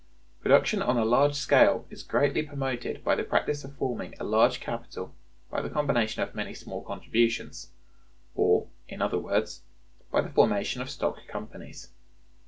Production on a large scale is greatly promoted by the practice of forming a large capital by the combination of many small contributions; or, in other words, by the formation of stock companies.